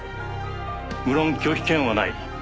無論拒否権はない。